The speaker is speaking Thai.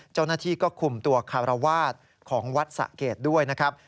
เจ้าหน้าที่ก็คุมตัวคารวาสของวัดสะเกดด้วยนะครับ